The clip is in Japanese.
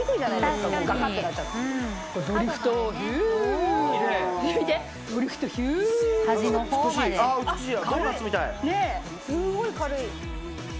すごい軽い。